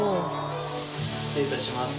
失礼いたします